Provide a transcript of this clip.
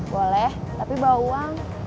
boleh tapi bawa uang